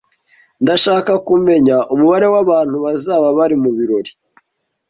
Ndashaka kumenya umubare wabantu bazaba bari mubirori